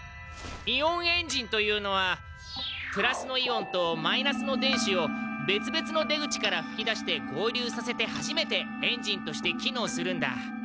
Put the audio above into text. イオンエンジンというのはプラスのイオンとマイナスの電子を別々の出口からふき出して合流させて初めてエンジンとして機能するんだ。